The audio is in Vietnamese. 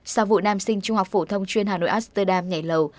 sau vụ nam sinh trung học phổ thông chuyên hà nội asterdam nhảy lầu